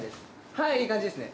はいいい感じですね。